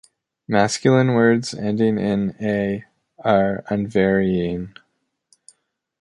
Masculine words ending in "-a" are unvarying.